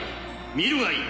見るがいい！